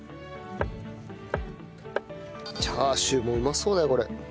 チャーシューもうまそうだよこれ。